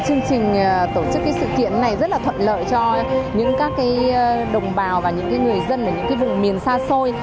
chương trình tổ chức sự kiện này rất là thuận lợi cho những các đồng bào và những người dân ở những vùng miền xa xôi